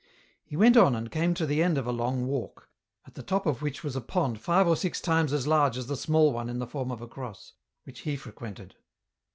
He went on and came to the end of a long walk, at the top of which was a pond five or six times as large as the small one in the form of a cross, which he frequented.